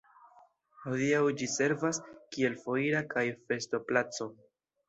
Hodiaŭ ĝi servas kiel foira kaj festo-placo.